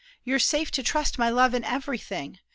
You're safe to trust my love in everything.